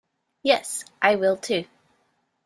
Yes, I will, too.